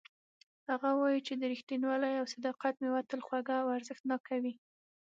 هغه وایي چې د ریښتینولۍ او صداقت میوه تل خوږه او ارزښتناکه وي